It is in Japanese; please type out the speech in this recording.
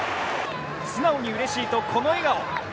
素直にうれしいと、この笑顔。